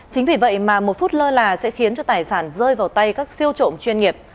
chính vì vậy mà một phút lơ là sẽ khiến cho tài sản rơi vào tay các siêu trộm chuyên nghiệp